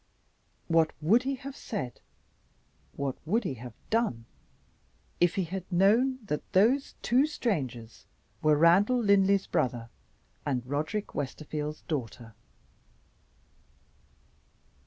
What would he have said, what would he have done, if he had known that those two strangers were Randal Linley's brother and Roderick Westerfield's daughter?